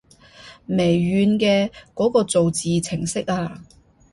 微軟嘅嗰個造字程式啊